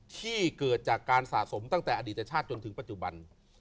ที่เกิดจากการสะสมตั้งแต่อดีตชาติจนถึงปัจจุบัน